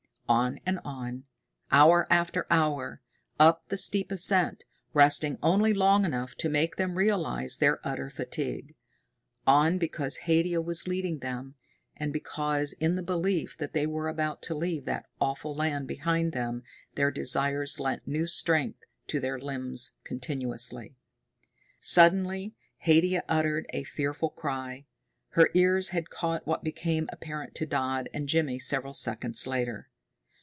On and on, hour after hour, up the steep ascent, resting only long enough to make them realize their utter fatigue. On because Haidia was leading them, and because in the belief that they were about to leave that awful land behind them their desires lent new strength to their limbs continuously. Suddenly Haidia uttered a fearful cry. Her ears had caught what became apparent to Dodd and Jimmy several seconds later.